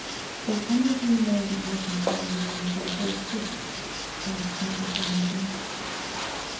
"Do any of you know the Algonquin name for the Big Dipper?" asked Mrs. Remington.